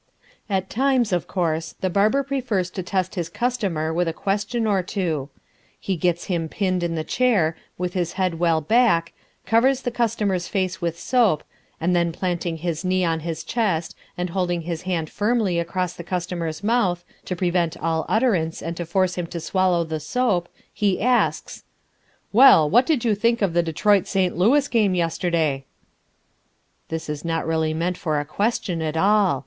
At times, of course, the barber prefers to test his customer with a question or two. He gets him pinned in the chair, with his head well back, covers the customer's face with soap, and then planting his knee on his chest and holding his hand firmly across the customer's mouth, to prevent all utterance and to force him to swallow the soap, he asks: "Well, what did you think of the Detroit St. Louis game yesterday?" This is not really meant for a question at all.